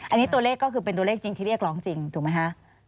อันนี้ตัวเลขก็คือเป็นตัวเลขจริงที่เรียกร้องจริงถูกไหมคะ